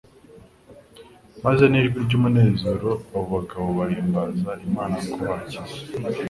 Maze n'ijwi ry'umunezero abo bagabo bahimbaza Imana ko bakize.